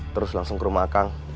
terus langsung ke rumah kang